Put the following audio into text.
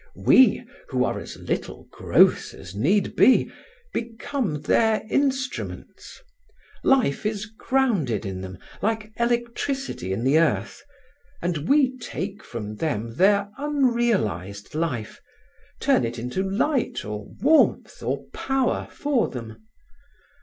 We, who are as little gross as need be, become their instruments. Life is grounded in them, like electricity in the earth; and we take from them their unrealized life, turn it into light or warmth or power for them.